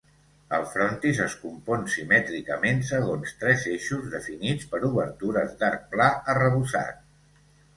El frontis es compon simètricament segons tres eixos, definits per obertures d'arc pla arrebossat.